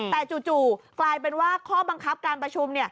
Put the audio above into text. แต่จู่กลายเป็นว่าข้อบังคับการประชุม